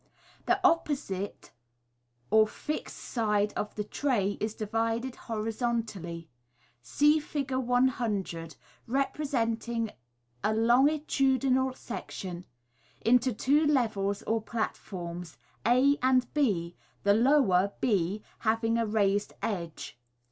The opposite or fixed side of the tray is divided horizontally (see Fig. 100, representing a longitudinal sec tion) into two levels or platforms, a and b, the lower, b, having a caised edge.